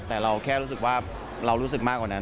แต่เราแค่รู้สึกว่าเรารู้สึกมากกว่านั้น